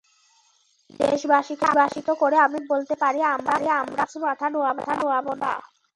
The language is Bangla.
দেশবাসীকে আশ্বস্ত করে আমি বলতে পারি, আমরা কারও কাছে মাথা নোয়াব না।